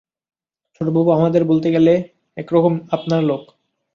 ছোটবাবু আমাদের বলতে গেলে একরকম আপনার লোক।